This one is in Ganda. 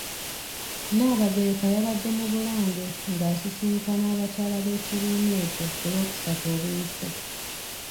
Nnaabagereka yabadde mu Bulange nga asisinkana abakyala b'ekibiina ekyo ku lwokusatu oluyise.